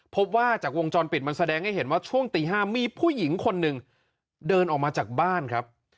พบว่าจากวงจรปิดมันแสดงให้เห็นว่าช่วงตี๕มีผู้หญิงคนหนึ่งเดินออกมาจากบ้านครับ